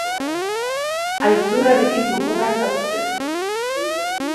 Aitzurrarekin mokorrak hausten.